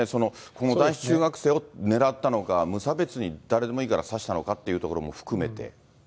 この男子中学生を狙ったのか、無差別に誰でもいいから刺したのかというところも含めて。